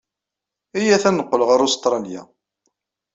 Iyyat ad neqqel ɣer Ustṛalya.